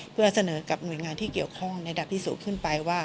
เพื่อเสนอกับหน่วยงานที่เกี่ยวข้องในระดับที่สูงขึ้นไปว่า